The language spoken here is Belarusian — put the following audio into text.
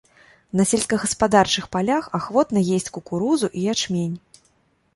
На сельскагаспадарчых палях ахвотна есць кукурузу і ячмень.